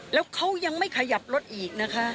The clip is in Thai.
แล้วเขายังไม่ขยับรถอีกนะคะ